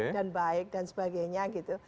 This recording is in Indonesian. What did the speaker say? dan baik dan sebagainya